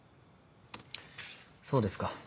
そうですか。